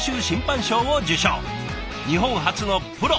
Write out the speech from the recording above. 日本初のプロ。